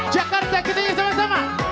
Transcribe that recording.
jakarta ketiga sama sama